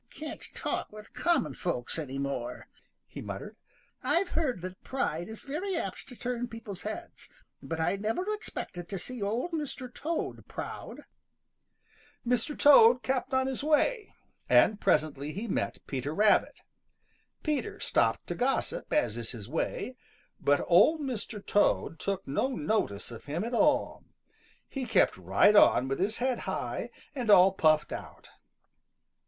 "Can't talk with common folks any more," he muttered. "I've heard that pride is very apt to turn people's heads, but I never expected to see Old Mr. Toad proud." [Illustration: "Can't talk with common folks any more," he muttered.] Mr. Toad kept on his way, and presently he met Peter Rabbit. Peter stopped to gossip, as is his way. But Old Mr. Toad took no notice of him at all. He kept right on with his head high, and all puffed out.